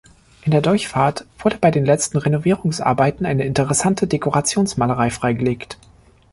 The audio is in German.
In der Durchfahrt wurde bei den letzten Renovierungsarbeiten eine interessante Dekorationsmalerei freigelegt.